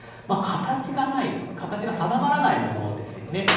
形がない形が定まらないものですよね